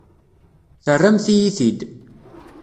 Terramt-iyi-t-id.